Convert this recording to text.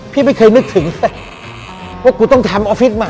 พี่ไม่เคยนึกถึงเลยว่ากูต้องทำออฟฟิศมา